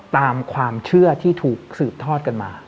ตามความเชื่อที่ถูกสืบทอดกันมา